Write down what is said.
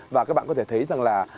và các bạn có thể thấy rằng là